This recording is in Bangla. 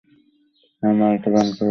হ্যাঁ, মাল্টা পান করব।